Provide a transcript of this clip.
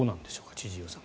千々岩さん。